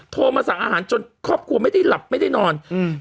โทรมาสั่งอาหารจนครอบครัวไม่ได้หลับไม่ได้นอนอืม